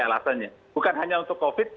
alasannya bukan hanya untuk covid